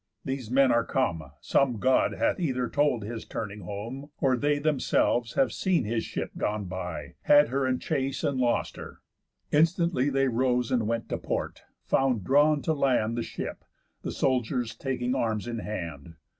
These men are come, Some God hath either told his turning home, Or they themselves have seen his ship gone by, Had her in chase, and lost her." Instantly They rose, and went to port; found drawn to land The ship, the soldiers taking arms in hand.